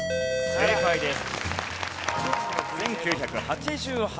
正解です。